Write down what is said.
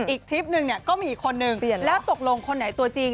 ทริปนึงเนี่ยก็มีอีกคนนึงแล้วตกลงคนไหนตัวจริง